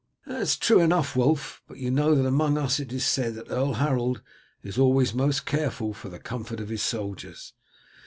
"That is true enough, Wulf, but you know that among us it is said that Earl Harold is always most careful for the comfort of his soldiers."